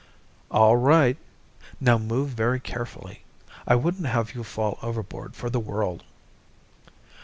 "All right. Now move very carefully. I wouldn't have you fall overboard for the world."